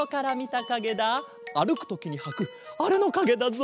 あるくときにはくあれのかげだぞ。